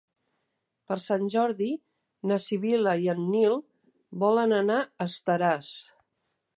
Per Sant Jordi na Sibil·la i en Nil volen anar a Estaràs.